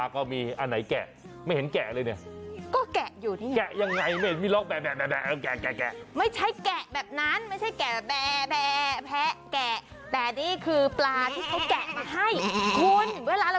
ขนาดที่ว่าดิฉันจะไปทานแล้วอ่ะ